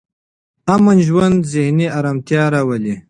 امن ژوند ذهني ارامتیا راولي.